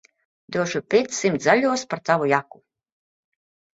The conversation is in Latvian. Došu piecsimt zaļos par tavu jaku.